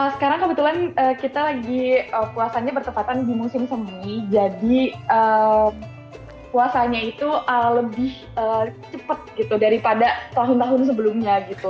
sekarang kebetulan kita lagi puasanya bertepatan di musim semi jadi puasanya itu lebih cepat gitu daripada tahun tahun sebelumnya gitu